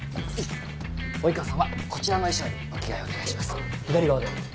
及川さんはこちらの衣装にお着替えお願いします左側で。